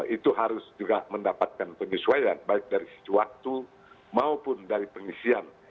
itu harus juga mendapatkan penyesuaian baik dari segi waktu maupun dari pengisian